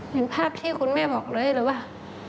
เห็นภาพที่คุณแม่บอกเลยหรือว่า